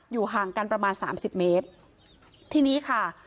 ห่างกันประมาณสามสิบเมตรทีนี้ค่ะ